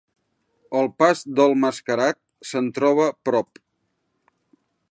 El pas del Mascarat se'n troba prop.